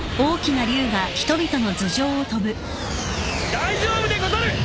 大丈夫でござる！